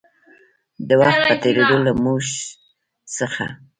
د وخـت پـه تېـرېدو لـه مـوږ څـخـه